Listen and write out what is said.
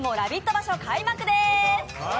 場所、開幕です！